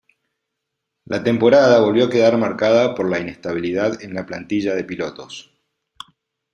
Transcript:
La temporada volvió a quedar marcada por la inestabilidad en la plantilla de pilotos.